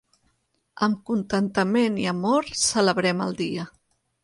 Amb contentament i amor celebrem el dia